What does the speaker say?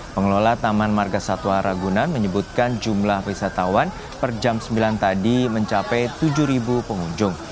pertama penambahan jumlah wisatawan yang mencapai tujuh pengunjung